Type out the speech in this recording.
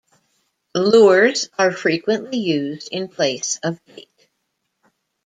Lures are frequently used in place of bait.